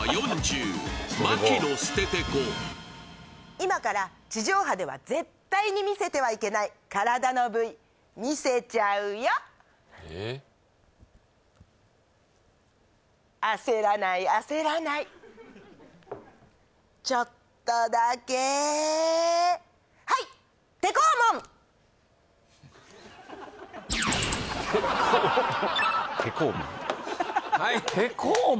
今から地上波では絶対に見せてはいけない体の部位見せちゃうよ焦らない焦らないちょっとだけはい手肛門手肛門手肛門？